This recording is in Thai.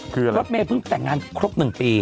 คือรอดเมย์เพิ่งแต่งงานครบหนึ่งปี